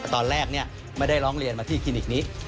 ตอนแรกไม่ได้ร้องเรียนมาที่คลินิกนี้